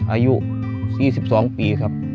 อายุ๒๒ปีครับ